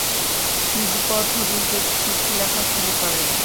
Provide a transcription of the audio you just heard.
তিনি প্রথম ইংরেজিতে চিঠি লেখা শুরু করেন।